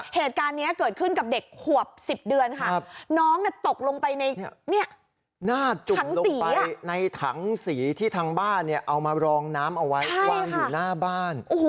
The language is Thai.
เหตุการณ์นี้เกิดขึ้นกับเด็กขวบ๑๐เดือนค่ะน้องตกลงไปในหน้าจุ่มลงไปในถังสีที่ทางบ้านเอามารองน้ำเอาไว้วางอยู่หน้าบ้าน